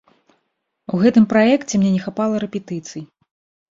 У гэтым праекце мне не хапала рэпетыцый.